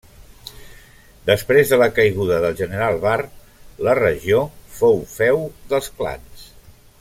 Després de la caiguda del general Barre, la regió fou feu dels clans.